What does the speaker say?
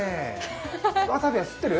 わさびはすってる？